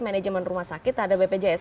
manajemen rumah sakit ada bpjs